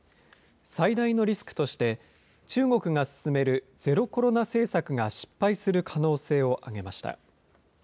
最大のリスクとして、中国が進めるゼロコロナ政策が失敗する可能性を挙げました。